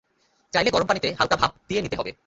চাইলে গরম পানিতে হালকা ভাপ দিয়ে নিতে হবে।